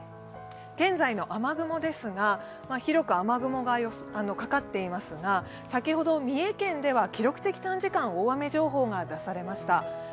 現在の雨雲ですが、広く雨雲がかかっていますが先ほど三重県では記録的短時間大雨情報が出されました。